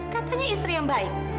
katanya istri yang baik